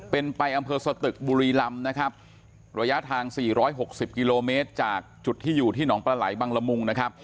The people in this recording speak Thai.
เป็นไปอำเภอสตึกบุรีลำนะครับระยะทาง๔๖๐กิโลเมตรจากจุดที่อยู่ที่หนองปลาไหลบังละมุงนะครับ